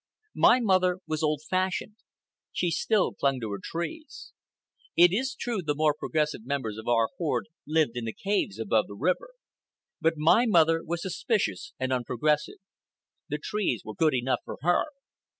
My mother was old fashioned. She still clung to her trees. It is true, the more progressive members of our horde lived in the caves above the river. But my mother was suspicious and unprogressive. The trees were good enough for her.